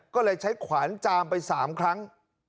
ก็เลยใช้ขวานจามไป๓ครั้ง